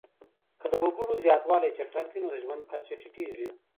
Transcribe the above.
که د وګړو زياتوالی چټک وي نو د ژوند کچه ټيټيږي.